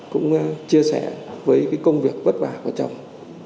cũng chia sẻ với cái công việc vất vả của chồng